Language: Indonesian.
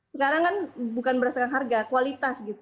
sekarang kan bukan berdasarkan harga kualitas